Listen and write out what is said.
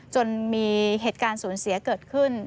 จนมีเหตุการณ์สูญเสียเกิดขึ้น